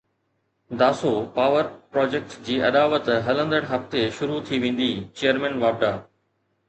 Dasu power project جي اڏاوت هلندڙ هفتي شروع ٿي ويندي چيئرمين واپڊا